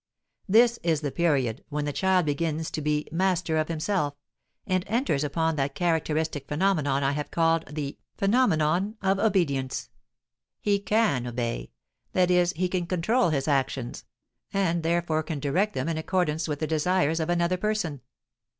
This is the period when the child begins to be "master of himself" and enters upon that characteristic phenomenon I have called the "phenomenon of obedience." He can obey, that is, he can control his actions, and therefore can direct them in accordance with the desires of another person.